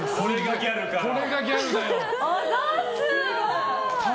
これがギャルか。